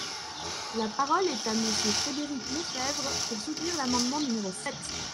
La parole est à Monsieur Frédéric Lefebvre, pour soutenir l’amendement numéro sept.